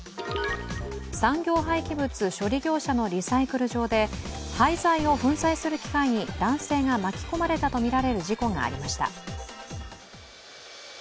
産業廃棄物処理業者のリサイクル場で廃材を粉砕する機械に男性が巻き込まれたとみられる事故がありました。